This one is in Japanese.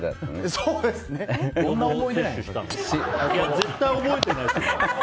絶対覚えてないでしょ。